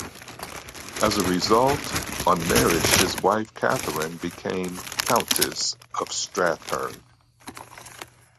As a result, on marriage his wife Catherine became Countess of Strathearn.